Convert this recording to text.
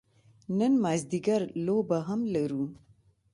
نن مازدیګر لوبه هم لرو.